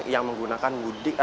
yang menggunakan mudik